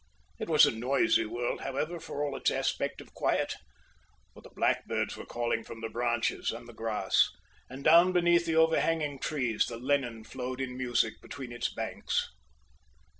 It was a noisy world, however, for all its aspect of quiet. For the blackbirds were calling from the branches and the grass, and down beneath the overhanging trees the Lennon flowed in music between its banks.